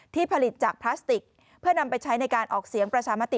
ผลิตจากพลาสติกเพื่อนำไปใช้ในการออกเสียงประชามติ